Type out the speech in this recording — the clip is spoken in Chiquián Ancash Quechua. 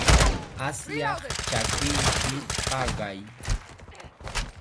Asyaq chakiyki paqay.